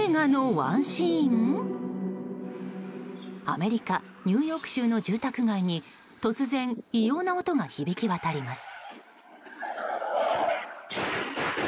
アメリカ・ニューヨーク州の住宅街に突然、異様な音が響き渡ります。